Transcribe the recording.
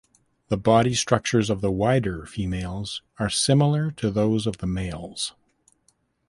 The body structures of the wider females are similar to those of the males.